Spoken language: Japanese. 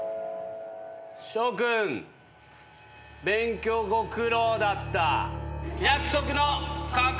諸君勉強ご苦労だった。